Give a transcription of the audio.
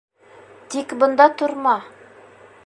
Тик бында торма.